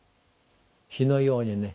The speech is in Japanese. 火のようにね。